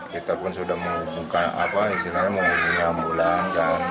kita pun sudah menghubungkan apa istilahnya menghubungkan ambulan